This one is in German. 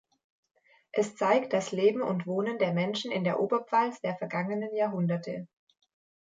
Es zeigt das Leben und Wohnen der Menschen in der Oberpfalz der vergangenen Jahrhunderte.